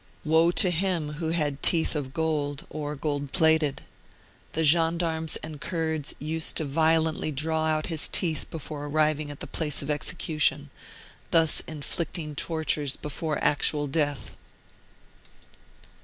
Woe to him who had teeth of gold, or gold plated. The gendarmes and Kurds used to violently draw out his teeth before arriving at the place of execution, thus inflicting tortures before actual death.